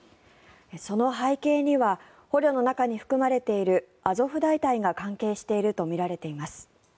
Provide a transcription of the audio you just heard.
その背景には捕虜の中に含まれているアゾフ大隊が関係しているとみられています。